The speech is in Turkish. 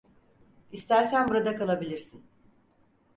İstersen burada kalabilirsin.